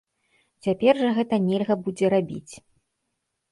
Цяпер жа гэта нельга будзе рабіць.